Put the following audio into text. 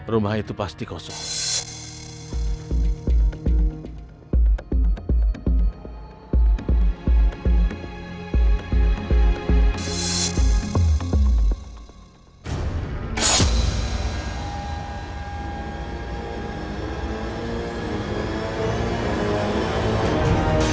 rumah itu pasti kosong